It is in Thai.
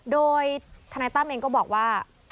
โดยทนายตั้มเองก็บอกว่า